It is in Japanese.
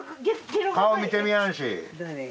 顔見てみやんし。